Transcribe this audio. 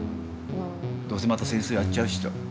どうせまた戦争やっちゃうしと。